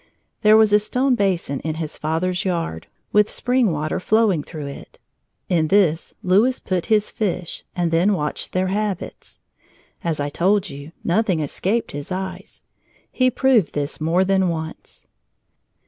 There was a stone basin in his father's yard, with spring water flowing through it. In this Louis put his fish and then watched their habits. As I told you, nothing escaped his eyes. He proved this more than once.